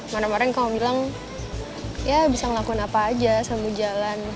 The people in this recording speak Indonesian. maren maren kamu bilang ya bisa ngelakuin apa aja sambil jalan